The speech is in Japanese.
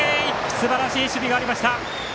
すばらしい守備がありました。